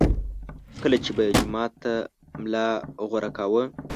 کله چې به یې جومات ته ملا غوره کاوه.